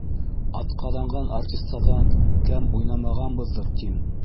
Атҡаҙанған артистарҙан кәм уйнамағанбыҙҙыр, тим.